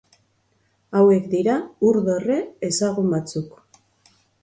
Hauek dira ur-dorre ezagun batzuk.